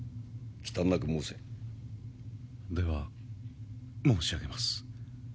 忌憚なく申せ！では申し上げます。